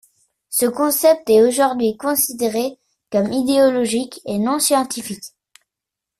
Ce concept est aujourd'hui considérée comme idéologique et non scientifique.